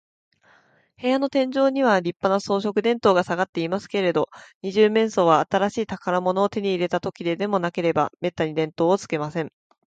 部屋の天井には、りっぱな装飾電燈がさがっていますけれど、二十面相は、新しい宝物を手に入れたときででもなければ、めったに電燈をつけません。